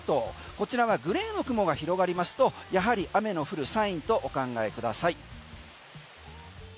こちらはグレーの雲が広がりますとやはり雨の降るサインとお考えください。